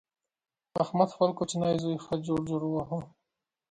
احمد خپل کوچنۍ زوی ښه جوړ جوړ وواهه.